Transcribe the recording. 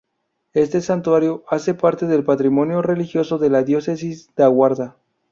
Este Santuario hace parte del Patrimonio Religioso de la Diócesis da Guarda.